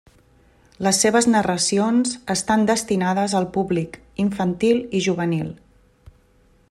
Les seves narracions estan destinades al públic infantil i juvenil.